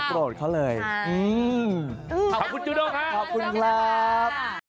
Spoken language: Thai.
อ๋อขอโปรดเขาเลยอืมขอบคุณจูโด่ค่ะขอบคุณครับ